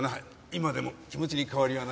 今でも気持ちに変わりはないよ。